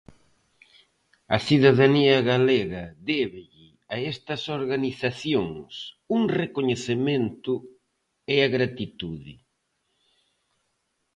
A cidadanía galega débelle a estas organizacións un recoñecemento e a gratitude.